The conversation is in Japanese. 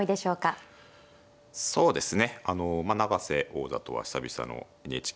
今はそうですね